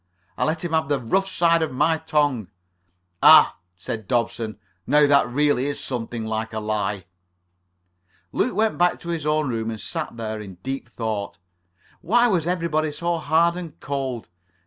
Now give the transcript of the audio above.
I let him have the rough side of my tongue." "Ah," said Dobson, "now that really is something like a lie." Luke went back to his own room and sat there deep in thought. Why was everybody so hard and cold?